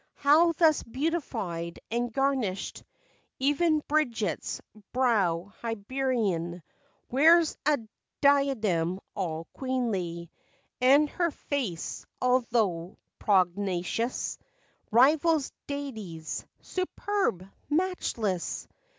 How, thus beautified and garnished, Even Bridget's brow Hibernian Wears a diadem all queenly; And her face, altho' "prognathous," Rivals Daidie's—superb, matchless!